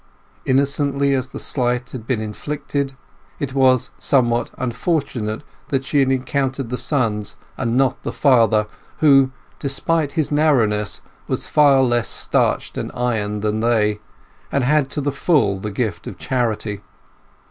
Innocently as the slight had been inflicted, it was somewhat unfortunate that she had encountered the sons and not the father, who, despite his narrowness, was far less starched and ironed than they, and had to the full the gift of charity.